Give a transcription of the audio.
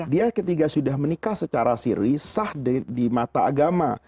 dia ketika sudah menikah secara siri sah di mata agama